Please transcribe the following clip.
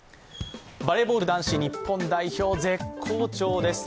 バレーボール男子日本代表絶好調です。